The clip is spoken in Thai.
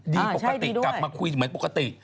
ปกติกลับมาคุยเหมือนปกติ